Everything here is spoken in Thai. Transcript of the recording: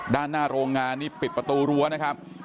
ด้านหน้าโรงงานนี่ปิดประตูรั้วนะครับ